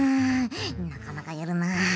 なかなかやるなあ。